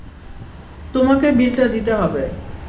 তোমাকে বিলটা দিতে হবে।